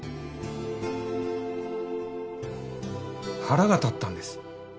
腹が立ったんです。